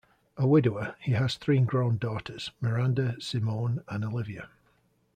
A widower, he has three grown daughters, Miranda, Simone and Olivia.